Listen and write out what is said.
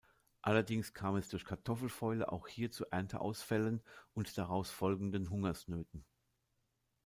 Allerdings kam es durch Kartoffelfäule auch hier zu Ernteausfällen und daraus folgenden Hungersnöten.